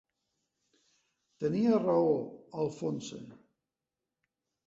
Tenia raó, Alphonse.